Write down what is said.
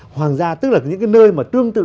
hoàng gia tức là những cái nơi mà tương tự